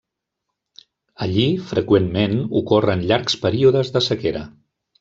Allí freqüentment ocorren llargs períodes de sequera.